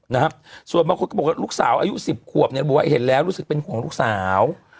นะครับส่วนบางคนก็บอกว่าลูกสาวอายุสิบขวบเนี่ยบอกว่าเห็นแล้วรู้สึกเป็นห่วงลูกสาว